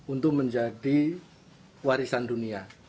untuk menjadi warisan dunia